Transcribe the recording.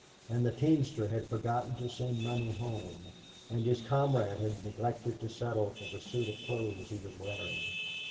And the teamster had forgotten to send money home. And his comrade had neglected to settle for the suit of clothes he was wearing.